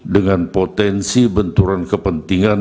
dengan potensi benturan kepentingan